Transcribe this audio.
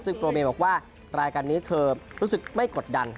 ซึ่งโปรเมย์บอกว่ารายการนี้เธอรู้สึกไม่กดดัน